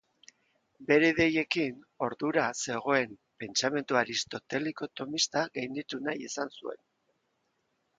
Bere ideiekin, ordura zegoen pentsamendu Aristoteliko-Tomista gainditu nahi izan zuen.